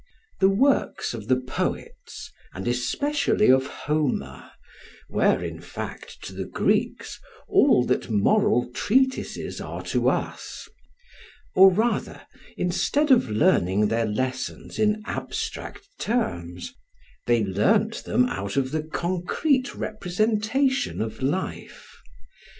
The works of the poets, and especially of Homer, were in fact to the Greeks all that moral treatises are to us; or rather, instead of learning their lessons in abstract terms, they learnt them out of the concrete representation of life.